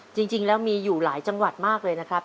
จริงแล้วมีอยู่หลายจังหวัดมากเลยนะครับ